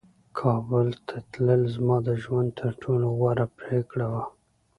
کابل ته تلل زما د ژوند تر ټولو غوره پرېکړه وه.